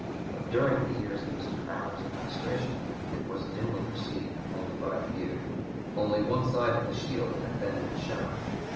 But during the years of Mr. Adams's Administration it was dimly perceived only by a few. Only one side of the shield had then been shown.